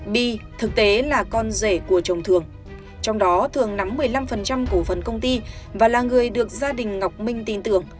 bi thực tế là con rể của chồng thường trong đó thường nắm một mươi năm cổ phần công ty và là người được gia đình ngọc minh tin tưởng